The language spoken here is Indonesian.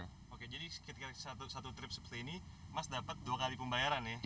oke jadi ketika satu trip seperti ini mas dapat dua kali pembayaran ya